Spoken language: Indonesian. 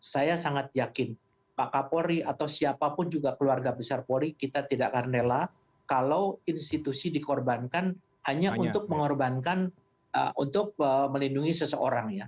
saya sangat yakin pak kapolri atau siapapun juga keluarga besar polri kita tidak akan rela kalau institusi dikorbankan hanya untuk mengorbankan untuk melindungi seseorang ya